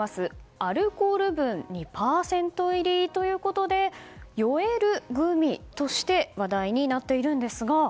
アルコール分２％入りで酔えるグミとして話題になっているんですが。